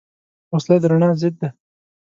وسله د رڼا ضد ده